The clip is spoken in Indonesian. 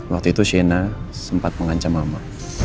waktu itu shena sempat mengancam mama